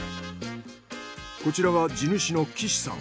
こちらが地主の岸さん。